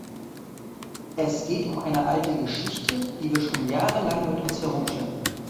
Es geht um eine alte Geschichte, die wir schon jahrelang mit uns herumschleppen.